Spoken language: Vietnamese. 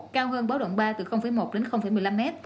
cao hơn báo đồng ba từ một một mươi năm m